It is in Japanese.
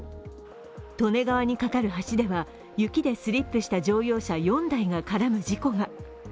利根川にかかる橋では雪でスリップした乗用車４台が絡む事故が。